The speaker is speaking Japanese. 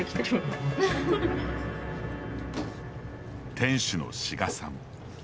店主の志賀さん。